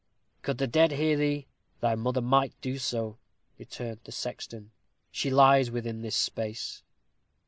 "Could the dead hear thee, thy mother might do so," returned the sexton. "She lies within this space."